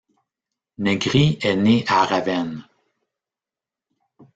Negri est né à Ravenne.